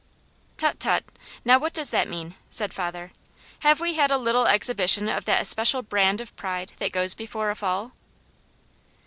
"Tut, tut! Now what does that mean?" said father. "Have we had a little exhibition of that especial brand of pride that goes before a fall?"